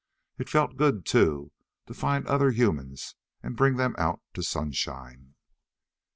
It felt good, too, to find other humans and bring them out to sunshine.